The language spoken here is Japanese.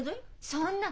そんな。